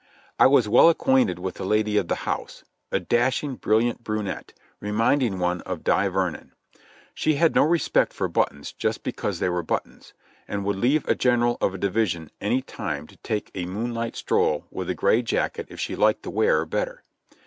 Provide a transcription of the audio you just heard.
I was well acquainted with the lady of the house, a dashing, brilliant brunette, reminding one of Di Vernon. She had no respect for buttons just because they were buttons, and would leave a gen eral of a division any time to take a moonlight stroll with a gray jacket if she liked the wearer better.